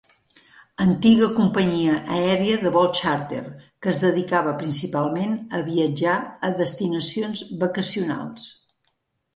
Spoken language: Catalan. Antiga companyia aèria de vols xàrter que es dedicava principalment a viatjar a destinacions vacacionals.